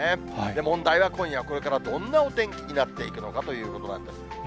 問題は今夜これからどんなお天気になっていくのかということなんです。